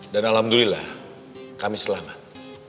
dan alhamdulillah kami selamat